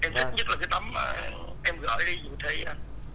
em gửi đi dù thế